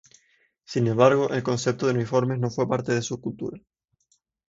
Sin embargo, el concepto de uniformes no fue parte de su cultura.